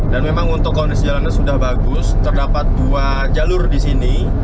dan memang untuk kondisi jalanan sudah bagus terdapat dua jalur di sini